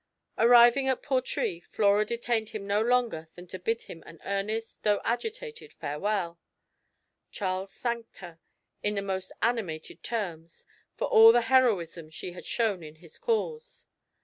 Arriving at Portree, Flora detained him no longer than to bid him an earnest, though agitated, farewell. Charles thanked her, in the most animated terms, for all the heroism she had shown in his cause.